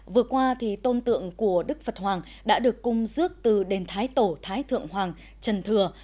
vừa qua tôn tượng của đức phật hoàng đã được cung dước từ đền thái tổ thái thượng hoàng trần thừa